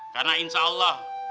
karena insya allah